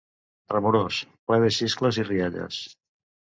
...remorós, ple de xiscles i rialles